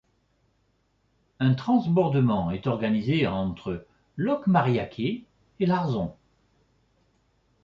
Un transbordement est organisé entre Locmariaquer et Arzon.